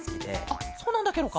あっそうなんだケロか？